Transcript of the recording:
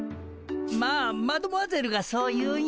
まあマドモアゼルがそう言うんやったら。